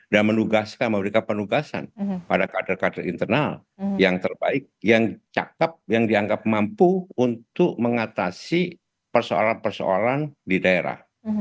dan menugaskan memberikan penugasan pada kader kader internal yang terbaik yang cakep yang dianggap mampu untuk mengatasi persoalan persoalan di daerah